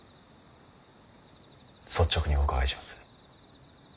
率直にお伺いします。